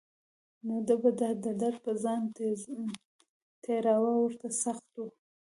نو ده به دا درد په ځان تېراوه ورته سخت و.